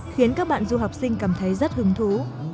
khiến các bạn du học sinh cảm thấy rất hứng thú